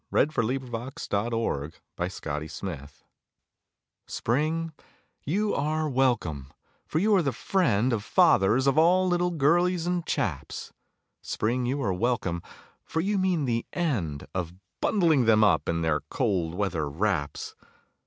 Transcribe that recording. WELCOME TO SPRING Spring, you are welcome, for you are the friend of Fathers of all little girlies and chaps. Spring, you are welcome, for you mean the end of Bundling them up in their cold weather wraps.